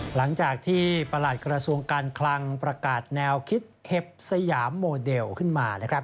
หลังจากที่ประหลัดกระทรวงการคลังประกาศแนวคิดเห็บสยามโมเดลขึ้นมานะครับ